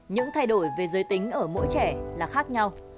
những thay đổi về giới tính ở mỗi trẻ là khác nhau